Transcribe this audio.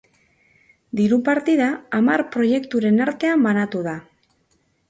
Diru partida hamar proiekturen artean banatu da.